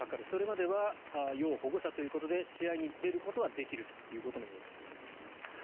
それまでは要保護者ということで試合に出ることはできるということのようです。